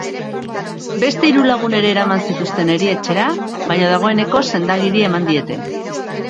Beste hiru lagun ere eraman zituzten erietxera, baina dagoeneko senda-agiria eman diete.